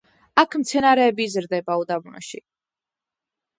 აქ მცენარეები იზრდება უდაბნოში.